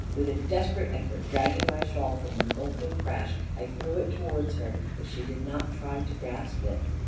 With a desperate effort dragging my shawl from the gulfing crash, I threw it towards her, but she did not try to grasp it.